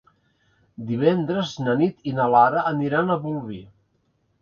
Divendres na Nit i na Lara aniran a Bolvir.